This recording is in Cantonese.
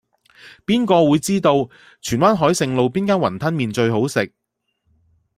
邊個會知道荃灣海盛路邊間雲吞麵最好食